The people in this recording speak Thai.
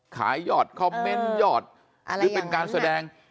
ยอดคอมเมนต์ยอดหรือเป็นการแสดง